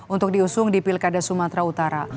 untuk diusung di pilkada sumatera utara